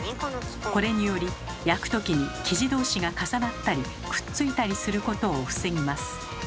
これにより焼く時に生地同士が重なったりくっついたりすることを防ぎます。